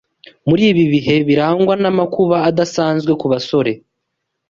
Muri ibi bihe birangwa n’amakuba adasanzwe ku basore